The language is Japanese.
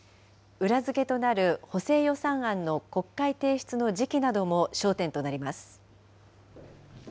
裏付けとなる補正予算案の国会提出の時期なども焦点となります。